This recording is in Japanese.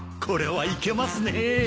これはいけますね